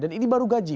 dan ini baru gaji